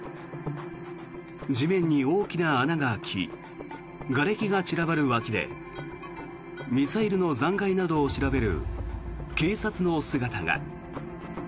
地面に大きな穴が開きがれきが散らばる脇でミサイルの残骸などを調べる警察の姿が。